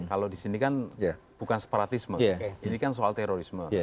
kalau di sini kan bukan separatisme ini kan soal terorisme